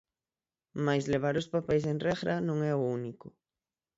Mais levar os papeis en regra non é o único.